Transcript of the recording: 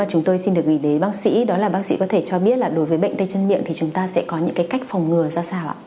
chúng tôi xin được gửi đến bác sĩ đó là bác sĩ có thể cho biết là đối với bệnh tay chân miệng thì chúng ta sẽ có những cách phòng ngừa ra sao ạ